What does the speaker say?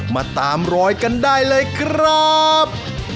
มาตามรอยกันได้เลยครับ